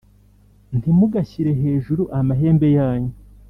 Ntimugashyire hejuru amahembe yanyu